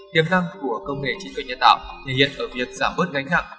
tiềm năng của công nghệ trí tuệ nhân tạo thể hiện ở việc giảm bớt gánh nặng